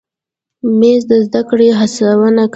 مېز د زده کړې هڅونه کوي.